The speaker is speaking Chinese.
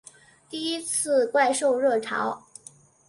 第一次怪兽热潮